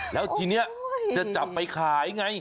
แล้วทีนี้จะจับไปขายไง